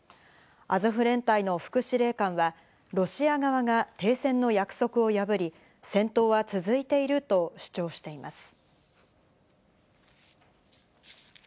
アゾフ連隊の副司令官はロシア側が停戦の約束を破り、戦闘は続いていると主張しています。